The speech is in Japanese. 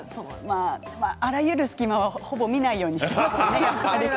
あらゆる隙間はほぼ見ないようにしています。